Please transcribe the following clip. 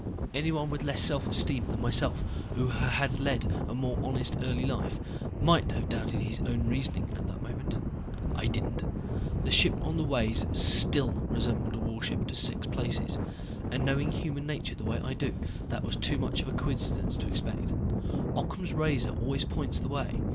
Anyone with less self esteem than myself or who had led a more honest early life might have doubted his own reasoning at that moment. I didn't. The ship on the ways still resembled a warship to six places. And knowing human nature the way I do, that was too much of a coincidence to expect. Occam's razor always points the way.